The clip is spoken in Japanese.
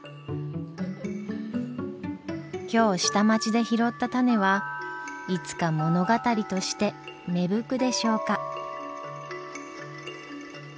今日下町で拾った種はいつか物語として芽吹くでしょうか。